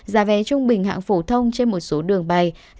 giá vé trung bình hạng phổ thông trên một số đường bay